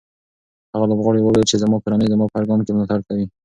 هغه لوبغاړی وویل چې زما کورنۍ زما په هر ګام کې ملاتړ کړی دی.